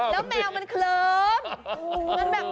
แล้วแมวมันเคลิ้ม